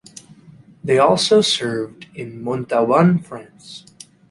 They also served in Montaubon, France.